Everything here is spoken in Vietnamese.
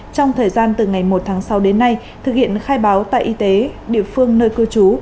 trong thời gian từ ngày một tháng sáu đến nay thực hiện khai báo tại y tế địa phương nơi cư trú